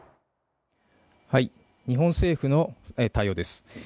日本政府の対応です。